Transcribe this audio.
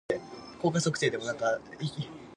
ルーモス光よ